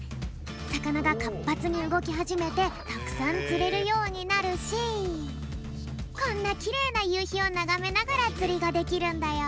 さかながかっぱつにうごきはじめてたくさんつれるようになるしこんなきれいなゆうひをながめながらつりができるんだよ。